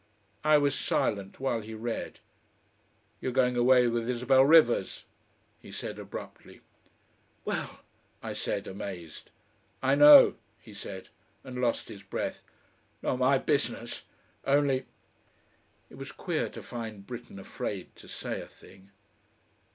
I was silent while he read. "You're going away with Isabel Rivers," he said abruptly. "Well!" I said, amazed. "I know," he said, and lost his breath. "Not my business. Only " It was queer to find Britten afraid to say a thing.